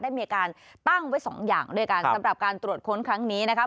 ได้มีการตั้งไว้สองอย่างด้วยกันสำหรับการตรวจค้นครั้งนี้นะครับ